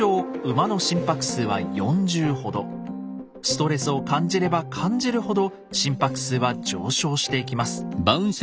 ストレスを感じれば感じるほど心拍数は上昇していきます。